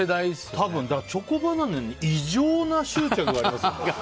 チョコバナナに異常な執着がありますね。